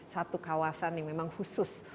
satu kawasan yang memang khusus